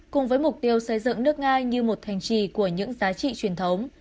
cùng với mục tiêu xây dựng nước nga như một thành trì của những giá trị truyền thống